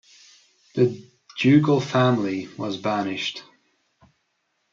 The ducal family was banished.